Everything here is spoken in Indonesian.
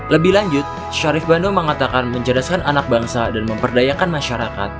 lebih lanjut syarif bando mengatakan mencerdaskan anak bangsa dan memperdayakan masyarakat